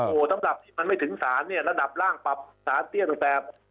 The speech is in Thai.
พ่อโหว่ตำรับที่มันไม่ถึงศาลเนี่ยระดับร่างปรับศาลเที่ยงตรงแปบ